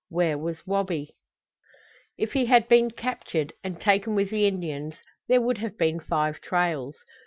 Where was Wabi? If he had been captured, and taken with the Indians, there would have been five trails.